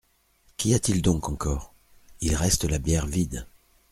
Qu'y a-t-il donc encore ? Il reste la bière vide.